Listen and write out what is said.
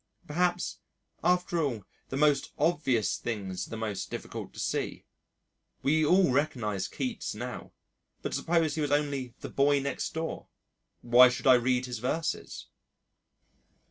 Perhaps after all, the most obvious things are the most difficult to see. We all recognise Keats now, but suppose he was only "the boy next door" why should I read his verses?